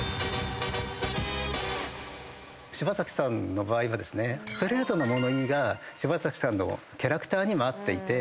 柴咲さんの場合はストレートな物言いが柴咲さんのキャラクターにも合っていて。